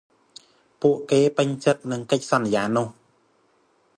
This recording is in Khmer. ពួកគេពេញចិត្តនឹងកិច្ចសន្យានោះ។